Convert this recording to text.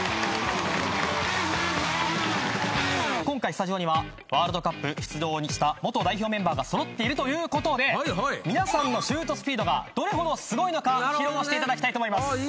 今回スタジオにはワールドカップに出場した元代表メンバーが揃っているということで皆さんのシュートスピードがどれほどすごいのか披露していただきたいと思います。